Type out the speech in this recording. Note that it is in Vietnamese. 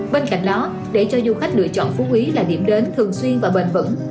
bên cạnh đó để cho du khách lựa chọn phú quý là điểm đến thường xuyên và bền vững